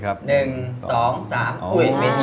๓ของคุณนยารครับ